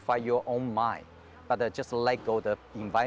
tapi membiarkan lingkungan terbakar